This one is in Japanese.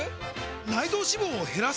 内臓脂肪を減らす！？